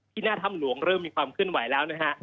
หน้าถ้ำหลวงเริ่มมีความเคลื่อนไหวแล้วนะฮะ